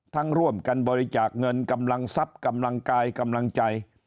ร่วมกันบริจาคเงินกำลังทรัพย์กำลังกายกำลังใจ